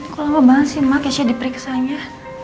kok lama banget sih ma kesasnya diperiksa nya